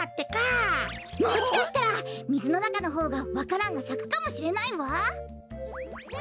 もしかしたらみずのなかのほうがわか蘭がさくかもしれないわ！